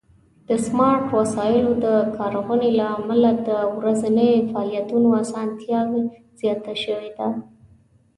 د سمارټ وسایلو د کارونې له امله د ورځني فعالیتونو آسانتیا زیاته شوې ده.